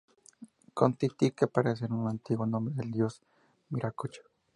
Kon-tiki parece ser un antiguo nombre del dios Viracocha.